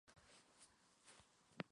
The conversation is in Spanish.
Carecen de tímpano.